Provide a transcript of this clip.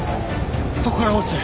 そこから落ちて。